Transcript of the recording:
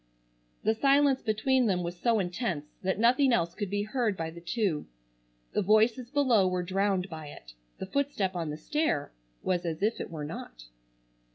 The silence between them was so intense that nothing else could be heard by the two. The voices below were drowned by it, the footstep on the stair was as if it were not.